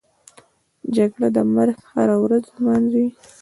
جګړه د مرګ هره ورځ نمانځي